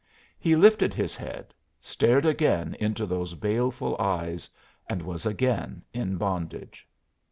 He lifted his head, stared again into those baleful eyes and was again in bondage.